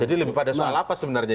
jadi lebih pada soal apa sebenarnya